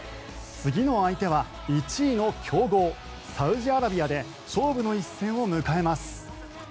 次の相手は１位の強豪、サウジアラビアで勝負の一戦を迎えます。